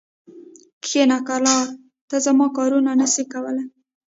کښینه کرار! ته زما کارونه نه سې کولای.